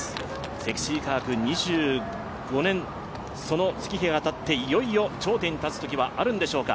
積水化学２５年の月日がたっていよいよ頂点に立つときはあるんでしょうか。